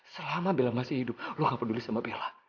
selama bela masih hidup lo gak peduli sama bella